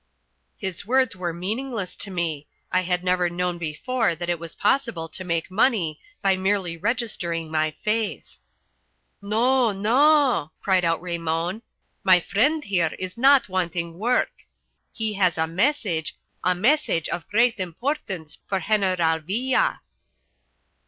His words were meaningless to me. I had never known before that it was possible to make money by merely registering my face. "No, no," cried out Raymon, "my friend here is not wanting work. He has a message, a message of great importance for General Villa."